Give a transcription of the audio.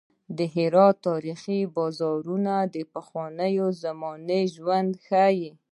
د هرات تاریخي بازارونه د پخوانیو زمانو ژوند ښيي.